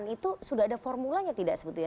itu sudah ada formulanya tidak sebetulnya